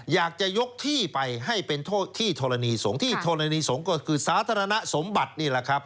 อยากจะยกที่ไปให้เป็นที่ธรณีสงฆ์ที่ธรณีสงฆ์ก็คือสาธารณสมบัตินี่แหละครับ